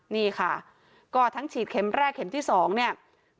นี่ค่ะก็ทั้งฉีดเข็มแรกเข็มที่๒เนี่ย